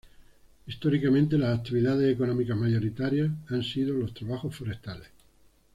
Históricamente las actividades económicas mayoritarias han sido los trabajos forestales.